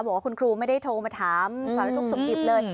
บอกว่าคุณครูไม่ได้โทรมาถามสารทุกข์สุขดิบเลย